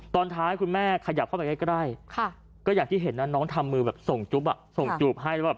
ตอนท้ายคุณแม่ขยับเข้าไปใกล้ก็ได้ก็อยากที่เห็นน้องทำมือส่งจุ๊บให้